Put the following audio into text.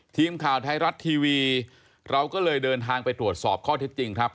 ทีมข่าวไทยรัฐทีวีเราก็เลยเดินทางไปตรวจสอบข้อเท็จจริงครับ